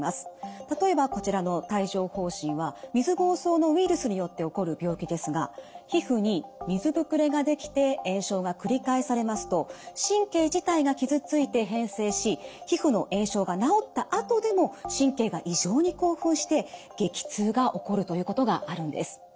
例えばこちらの帯状ほう疹は水ぼうそうのウイルスによって起こる病気ですが皮膚に水ぶくれが出来て炎症が繰り返されますと神経自体が傷ついて変性し皮膚の炎症が治ったあとでも神経が異常に興奮して激痛が起こるということがあるんです。